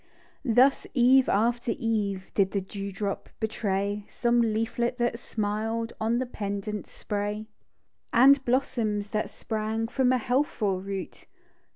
Thus, eve after eve, Did the dew drop betray Some leaflet that smiled < >u the pendant spray ; THE DEW DROP. And blossoms that sprang From a healthful root.